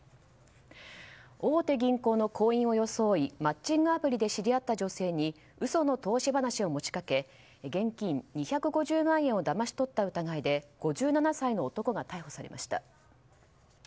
大手銀行の工員を装いマッチングアプリで知り合った女性に嘘の投資話を持ち掛け現金２５０万円をだまし取った疑いで５７歳の男が逮捕されました。